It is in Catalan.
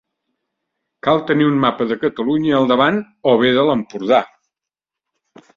Cal tenir un mapa de Catalunya al davant, o bé de l'Empordà.